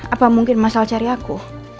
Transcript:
apa mungkin masal cari aku